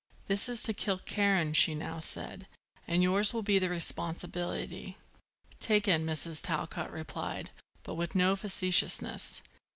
"This is to kill Karen," she now said. "And yours will be the responsibility." "Taken," Mrs. Talcott replied, but with no facetiousness.